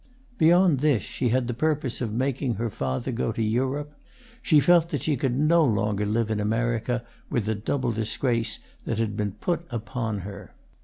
Beyond this, she had the purpose of making her father go to Europe; she felt that she could no longer live in America, with the double disgrace that had been put upon her.